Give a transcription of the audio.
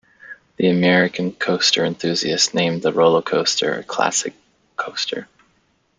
The American Coaster Enthusiasts named the Rollo Coaster a "Classic Coaster".